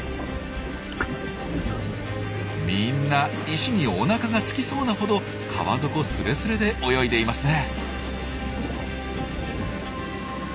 みんな石におなかがつきそうなほど川底すれすれで泳いでいますね。